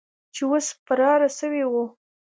چې اوس فراره سوي وو.